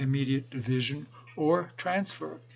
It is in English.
mediate division or transfer.